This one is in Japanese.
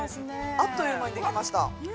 ◆あっという間にできました。